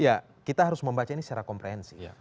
ya kita harus membaca ini secara komprehensi